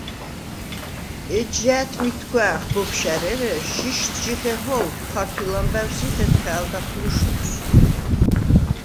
ეჯჟა̄̈თმითქუ̂ა̄̈ნხ ბოფშა̈რ ერე, შიშდ ჟიხეჰო̄ლხ ქართუ̂ილ ამბა̈უ̂ს ი ხეთხა̄̈ლდახ ლუშნუს.